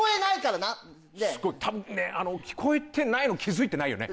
すごいたぶんね聞こえてないの気付いてないよね。